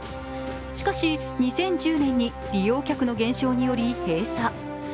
しかし、２０１０年に利用客の減少により閉鎖。